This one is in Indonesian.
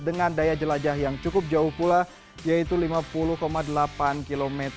dengan daya jelajah yang cukup jauh pula yaitu lima puluh delapan km